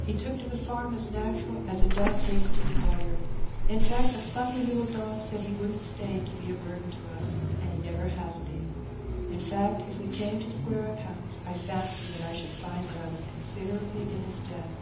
He took to the farm as natural as a duck takes to the water. In fact, the plucky little dog said he wouldn't stay to be a burden to us, and he never has been. In fact, if we came to square accounts, I fancy that I should find that I was considerably in his debt."